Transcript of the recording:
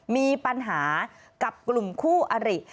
มีปัญหากับกลุ่มคู่อริ